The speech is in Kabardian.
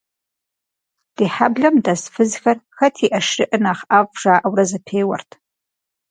Ди хьэблэм дэс фызхэр, «хэт и ӏэшырыӏыр нэхъ ӏэфӏ» жаӏэурэ зэпеуэрт.